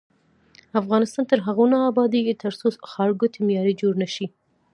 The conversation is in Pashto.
افغانستان تر هغو نه ابادیږي، ترڅو ښارګوټي معیاري جوړ نشي.